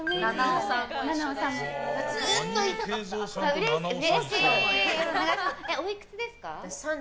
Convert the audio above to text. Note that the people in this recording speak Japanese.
うれしい！